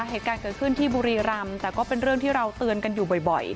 เหตุการณ์เกิดขึ้นที่บุรีรำแต่ก็เป็นเรื่องที่เราเตือนกันอยู่บ่อย